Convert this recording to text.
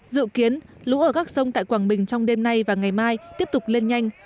dự kiến lũ ở các sông tại quảng bình trong đêm nay và ngày mai tiếp tục lên nhanh